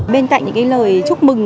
bên cạnh những cái lời chúc mừng